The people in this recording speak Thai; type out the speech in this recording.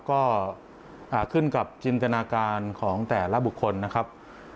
ก็ขึ้นกับจินตนาการของแต่ละบุคคลนะครับ